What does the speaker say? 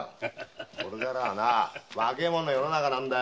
これからはな若いもんの世の中なんだよ。